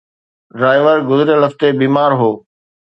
Driver گذريل هفتي بيمار هو.